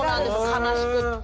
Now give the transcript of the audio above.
悲しくって。